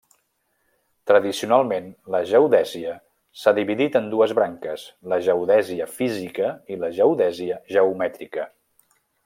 Tradicionalment la geodèsia s'ha dividit en dues branques, la geodèsia física i la geodèsia geomètrica.